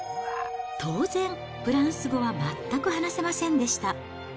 当然、フランス語は全く話せませんでした。